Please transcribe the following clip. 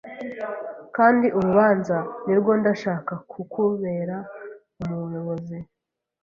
Kandi urubanza nirwo Ndashaka kukubera umuyobozi